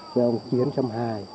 với ông chiến xăm hai